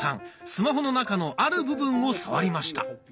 スマホの中のある部分を触りました。